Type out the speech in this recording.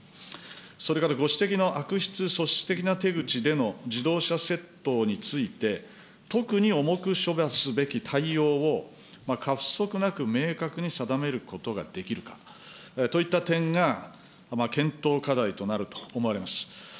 それからご指摘な悪質、組織的な手口での自動車窃盗について、特に重く処罰すべき対応を、過不足なく明確に定めることができるかといった点が、検討課題となると思われます。